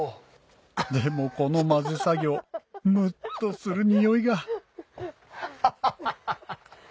でもこの混ぜ作業むっとするにおいがハハハ！ハハハ！